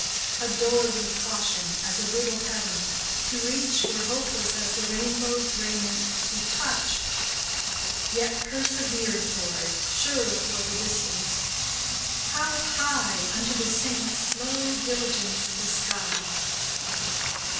Adored with caution, as a brittle heaven, To reach Were hopeless as the rainbow's raiment To touch, Yet persevered toward, surer for the distance; How high Unto the saints' slow diligence The sky!